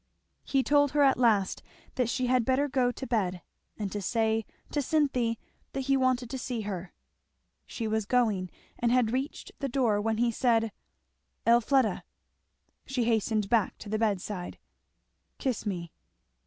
He told her at last that she had better go to bed, and to say to Cynthy that he wanted to see her. She was going, and had near reached the door, when he said, "Elfleda!" She hastened back to the bedside. "Kiss me."